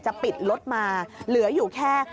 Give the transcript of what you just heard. ปิดรถมาเหลืออยู่แค่